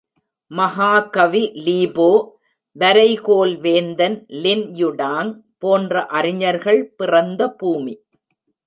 மகாகவி லீபோ, வரைகோல் வேந்தன் லின் யு டாங் போன்ற அறிஞர்கள் பிறந்த பூமி.